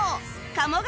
鴨川